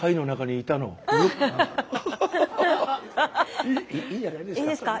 いいんじゃないですか？